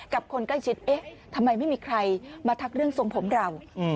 คนใกล้ชิดเอ๊ะทำไมไม่มีใครมาทักเรื่องทรงผมเรา